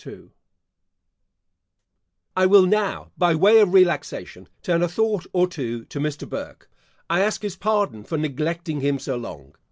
* I will now, by way of relaxation, turn a thought or two to Mr. Burke. I ask his pardon for neglecting him so long.